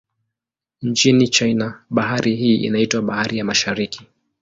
Nchini China, bahari hii inaitwa Bahari ya Mashariki.